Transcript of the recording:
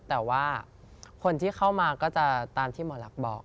แต่ว่าคนที่เข้ามาก็จะตามที่หมอลักษณ์บอก